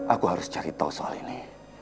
aku harus cari tahu soal ini